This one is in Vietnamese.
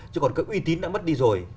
chứ còn cái uy tín đã mất đi rồi